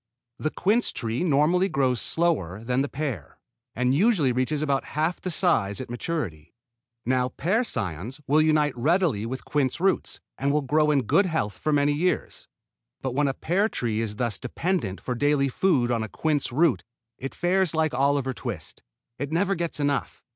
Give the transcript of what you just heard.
The quince tree normally grows slower than the pear, and usually reaches about half the size at maturity. Now pear cions will unite readily with quince roots and will grow in good health for many years. But when a pear tree is thus dependent for daily food on a quince root it fares like Oliver Twist. It never gets enough.